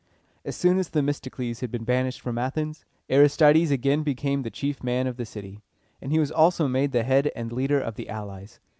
As soon as Themistocles had been banished from Athens, Aristides again became the chief man of the city, and he was also made the head and leader of the allies.